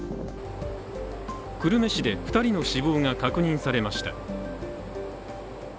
久留米市で２人の死亡が確認されました。